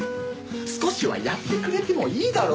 少しはやってくれてもいいだろ？